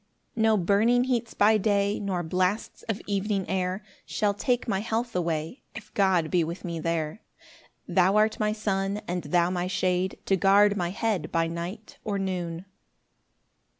3 No burning heats by day, Nor blasts of evening air, Shall take my health away, If God be with me there. Thou art my sun, And thou my shade, To guard my head By night or noon.